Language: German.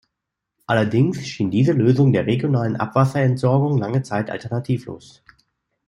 Allerdings schien diese Lösung der regionalen Abwasserentsorgung lange Zeit alternativlos.